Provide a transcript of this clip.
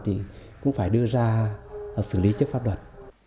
thì cũng phải đưa ra xử lý trước pháp luật